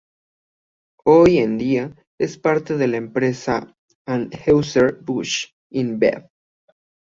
Hoy en día es parte de la empresa Anheuser-Busch InBev.